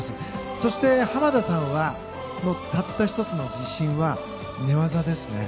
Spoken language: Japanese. そして、濱田さんはたった１つの自信は寝技ですね。